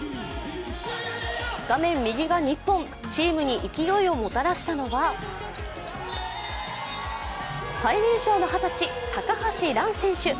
画面右が日本、チームに勢いをもたらしたのは最年少の二十歳・高橋藍選手。